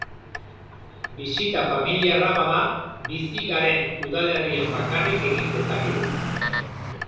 Bisita familiarra bada, bizi garen udalerrian bakarrik egin dezakegu.